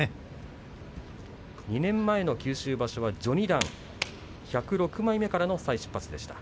２年前の九州場所は序二段１０６枚目からの再出発でした。